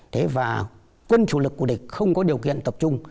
thế và quân chủ lực của địch không có điều kiện tập trung